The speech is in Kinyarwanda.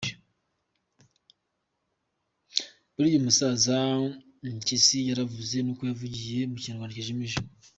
Buriya umusaza mpyisi yaravuze nuko yavugiye mu Kinyarwanda kijimije!